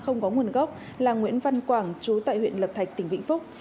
nguồn gốc là nguyễn văn quảng trú tại huyện lập thạch tỉnh vĩnh phúc